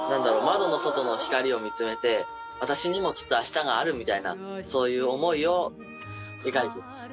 窓の外の光を見つめて私にもきっと明日があるみたいなそういう思いを描いています。